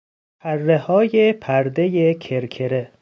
پرههای پردهی کرکره